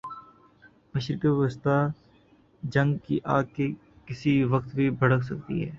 مشرق وسطی میں جنگ کی آگ کسی وقت بھی بھڑک سکتی ہے۔